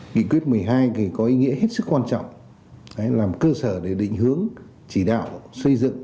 nghị quyết một mươi hai có ý nghĩa hết sức quan trọng làm cơ sở để định hướng chỉ đạo xây dựng